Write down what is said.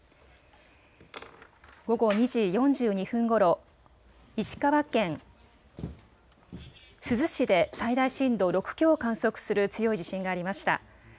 午後２時４２分ごろ、石川県珠洲市で最大震度６強を観測する強い地震がありました。